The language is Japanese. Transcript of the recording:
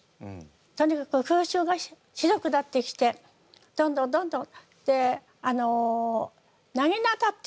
とにかく空襲がひどくなってきてどんどんどんどん。